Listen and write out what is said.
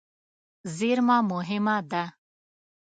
زېرمه مهمه ده.